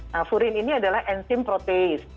nah furin ini adalah enzim protes